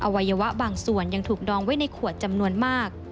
วัยวะบางส่วนยังถูกดองไว้ในขวดจำนวนมาก